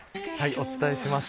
お伝えします。